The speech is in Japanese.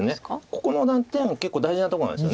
ここの断点は結構大事なとこなんですよね。